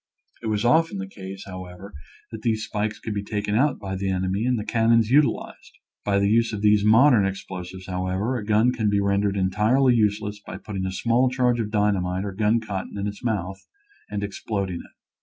It was often the case, however, that these spikes could be taken out by the enemy and the cannons utilized. By the use of these modern explosives, how ever, a gun can be rendered entirely useless by putting a small charge of dynamite or gun cotton in its mouth and exploding it.